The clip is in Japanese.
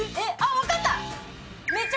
分かった。